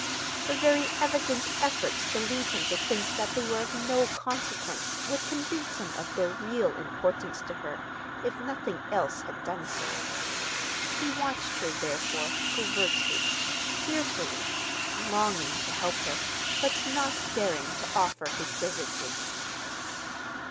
Her very evident efforts to lead him to think that they were of no consequence would convince him of their real importance to her if nothing else had done so. He watched her, therefore, covertly, fearfully, longing to help her, but not daring to offer his services.